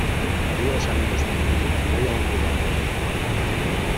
Adiós, amigos míos. Voy a un lugar mejor .